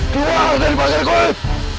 keluar dari pagar koin